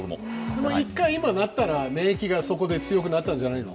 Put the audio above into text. でも１回、今なったら免疫がそこで強くなったんじゃないの？